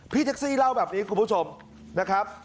แท็กซี่เล่าแบบนี้คุณผู้ชมนะครับ